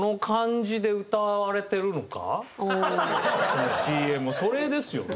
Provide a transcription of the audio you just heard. そのＣＭそれですよね？